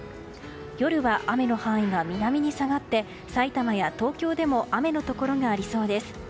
夜は雨の範囲が南に下がって埼玉や東京でも雨のところがありそうです。